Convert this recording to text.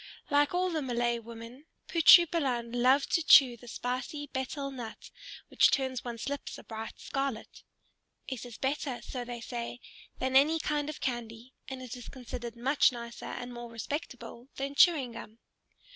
Like all the Malay women, Putri Balan loved to chew the spicy betel nut which turns one's lips a bright scarlet. It is better, so they say, than any kind of candy, and it is considered much nicer and more respectable than chewing gum.